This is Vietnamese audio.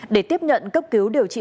để tiếp nhận cấp cứu điều trị